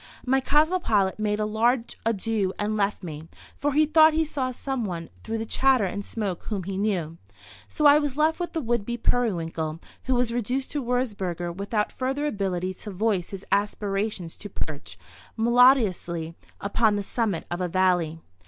My cosmopolite made a large adieu and left me, for he thought he saw some one through the chatter and smoke whom he knew. So I was left with the would be periwinkle, who was reduced to Würzburger without further ability to voice his aspirations to perch, melodious, upon the summit of a valley.